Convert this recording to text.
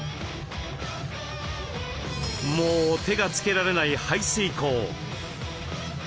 もう手がつけられない排水口。